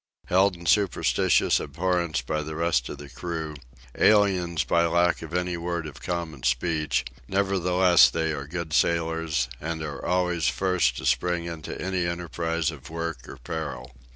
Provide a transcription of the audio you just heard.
Held in superstitious abhorrence by the rest of the crew, aliens by lack of any word of common speech, nevertheless they are good sailors and are always first to spring into any enterprise of work or peril.